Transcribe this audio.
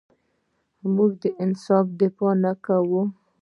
موږ د انصاف دفاع نه کوو.